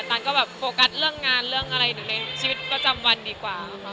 ตันก็แบบโฟกัสเรื่องงานเรื่องอะไรในชีวิตประจำวันดีกว่า